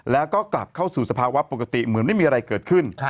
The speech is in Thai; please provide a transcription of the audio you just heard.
แล้วก็กลับเข้าสู่สภาวะปกติเหมือนไม่มีอะไรเกิดขึ้น